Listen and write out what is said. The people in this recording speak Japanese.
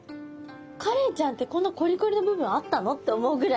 カレイちゃんってこんなコリコリの部分あったのって思うぐらい。